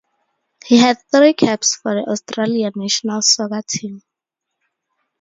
He had three caps for the Australia national soccer team.